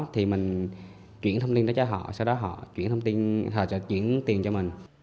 thì mình chuyển thông tin đó cho họ sau đó họ chuyển thông tin họ chuyển tiền cho mình